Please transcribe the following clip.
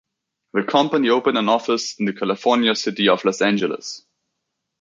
The company opened an office in the California city of Los Angeles.